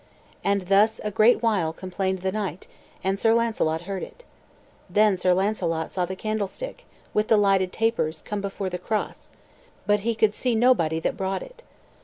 And thus a great while complained the knight, and Sir Launcelot heard it. Then Sir Launcelot saw the candlestick, with the lighted tapers, come before the cross, but he could see nobody that brought it.